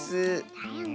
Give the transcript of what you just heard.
だよねえ。